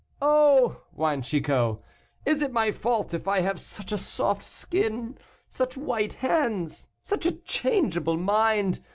"Oh!" whined Chicot, "is it my fault if I have such a soft skin such white hands such a changeable mind?